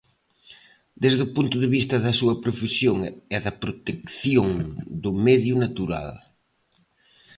Desde o punto de vista da súa profesión e da protección do medio natural.